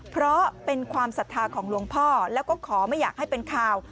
เพราะเป็นความศรัทธาของหลวงพ่อแล้วก็ขอไม่อยากให้เป็นข่าว